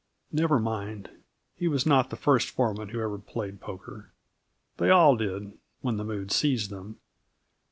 Never mind he was not the first foreman who ever played poker; they all did, when the mood seized them.